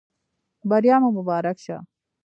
بریا مو مبارک شه